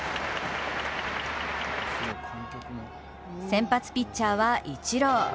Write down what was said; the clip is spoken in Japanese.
先発ピッチャーはイチロー。